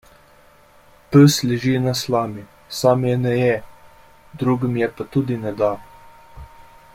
Pes leži na slami; sam je ne je, drugim je pa tudi ne da.